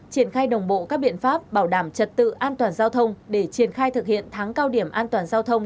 triển khai đồng bộ các biện pháp bảo đảm trật tự an toàn giao thông để triển khai thực hiện tháng cao điểm an toàn giao thông